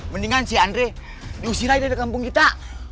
mendingan si andre diusir aja di kampung kita